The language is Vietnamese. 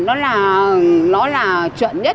nó là chuẩn nhất